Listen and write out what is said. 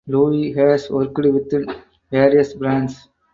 Looi has worked with various brands.